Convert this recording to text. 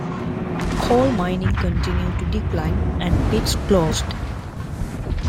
Coal mining continued to decline and pits closed.